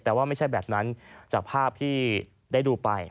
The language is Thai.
แต่ว่าไม่ใช่แบบนั้นจากภาพที่ได้ดูไป